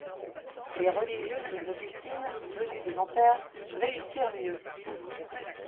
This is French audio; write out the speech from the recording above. Les religieuses augustines venues de Nanterre réussirent mieux.